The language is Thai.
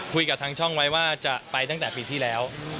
คุยกับทางช่องไว้ว่าจะไปตั้งแต่ปีที่แล้ว